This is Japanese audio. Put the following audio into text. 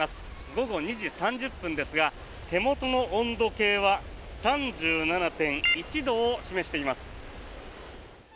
午後２時３０分ですが手元の温度計は３７．１度を示しています。